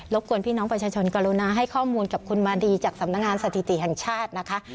กวนพี่น้องประชาชนกรุณาให้ข้อมูลกับคุณมาดีจากสำนักงานสถิติแห่งชาตินะคะ